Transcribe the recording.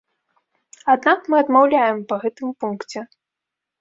Аднак мы адмаўляем па гэтым пункце.